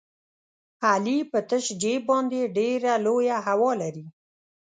علي په تش جېب باندې ډېره لویه هوا لري.